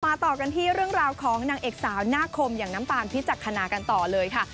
ต่อกันที่เรื่องราวของนางเอกสาวหน้าคมอย่างน้ำตาลพิจักษณากันต่อเลยค่ะ